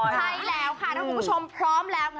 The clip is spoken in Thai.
ใช่แล้วค่ะถ้าคุณผู้ชมพร้อมแล้ว